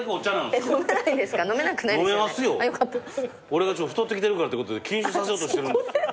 俺が太ってきてるからってことで禁酒させようとしてるんです。